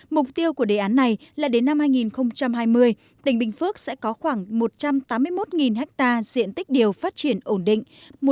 mục tiêu của đề án này là đến năm hai nghìn hai mươi tỉnh bình phước sẽ có khoảng một trăm tám mươi một ha diện tích điều phát triển ổn định